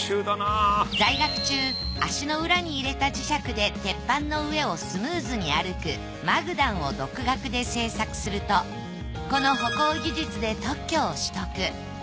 在学中足の裏に入れた磁石で鉄板の上をスムーズに歩くマグダンを独学で製作するとこの歩行技術で特許を取得。